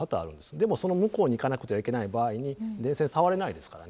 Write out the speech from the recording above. でもその向こうに行かなくてはいけない場合に電線触れないですからね